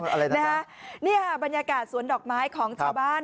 อะไรนะฮะนี่ค่ะบรรยากาศสวนดอกไม้ของชาวบ้าน